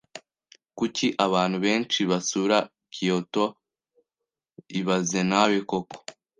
Kuki abantu benshi basura Kyoto ibaze nawe koko